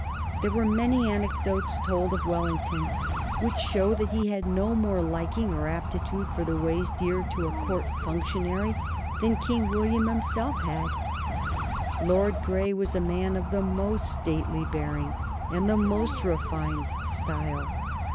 There are many anecdotes told of Wellington which show that he had no more liking or aptitude for the ways dear to a Court functionary than King William himself had. Lord Grey was a man of the most stately bearing and the most refined style.